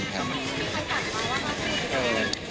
มีความสนใจหรือเปล่าว่าความสนใจหรือเปล่า